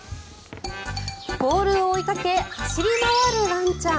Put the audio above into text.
ボールを追いかけ走り回るワンちゃん。